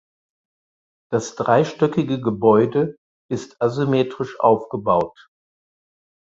Das dreistöckige Gebäude ist asymmetrisch aufgebaut.